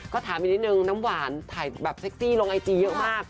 ก็ถามอีกนิดนึงน้ำหวานถ่ายแบบเซ็กซี่ลงไอจีเยอะมาก